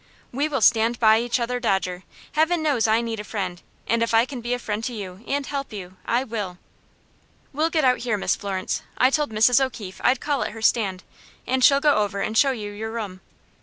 "We will stand by each other, Dodger. Heaven knows I need a friend, and if I can be a friend to you, and help you, I will." "We'll get out here, Miss Florence. I told Mrs. O'Keefe I'd call at her stand, and she'll go over and show you your room."